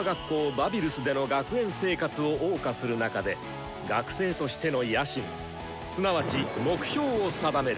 バビルスでの学園生活をおう歌する中で学生としての野心すなわち目標を定める。